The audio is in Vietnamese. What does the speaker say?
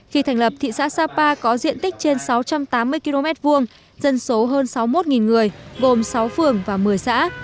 khi thành lập thị xã sapa có diện tích trên sáu trăm tám mươi km hai dân số hơn sáu mươi một người gồm sáu phường và một mươi xã